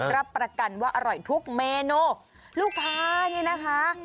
รับประกันว่าอร่อยทุกเมนูลูกค้าเนี่ยนะคะ